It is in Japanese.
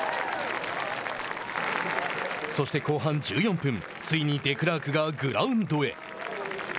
そして後半１４分ついにデクラークがグラウンドへ。